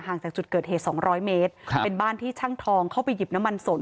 จากจุดเกิดเหตุสองร้อยเมตรครับเป็นบ้านที่ช่างทองเข้าไปหยิบน้ำมันสน